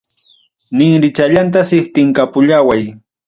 Ninrichallanta chiptiykapullaway.